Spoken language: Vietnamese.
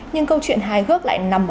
nhưng câu chuyện hài hước lại nằm